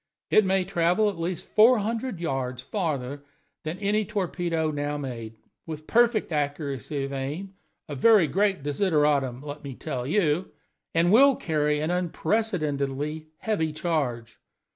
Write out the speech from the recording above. It will travel at least four hundred yards farther than any torpedo now made, with perfect accuracy of aim (a very great desideratum, let me tell you), and will carry an unprecedentedly heavy charge.